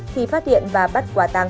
thì phát hiện và bắt quả tàng